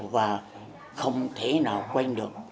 và không thể nào quên được